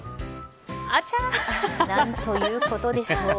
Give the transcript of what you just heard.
何ということでしょう。